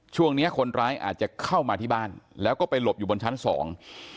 ช่วงเนี้ยคนร้ายอาจจะเข้ามาที่บ้านแล้วก็ไปหลบอยู่บนชั้นสอง